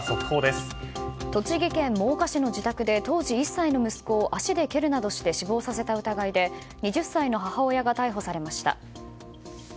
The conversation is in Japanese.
栃木県真岡市の自宅で当時１歳の息子を足で蹴るなどして死亡させた疑いで２０歳の母親が逮捕されました。